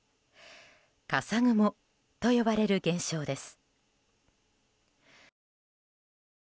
笠雲と呼ばれる現象です。